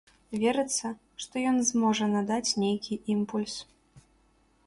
Верыцца, што ён зможа надаць нейкі імпульс.